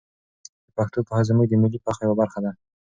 د پښتو پوهه زموږ د ملي فخر یوه برخه ده.